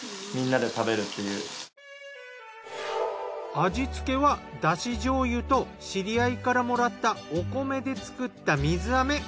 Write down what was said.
味付けはだし醤油と知り合いからもらったお米で作った水飴。